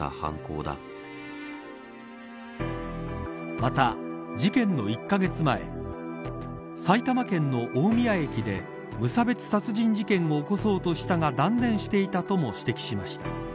また、事件の１カ月前埼玉県の大宮駅で無差別殺人事件を起こそうとしたが断念していたとも指摘しました。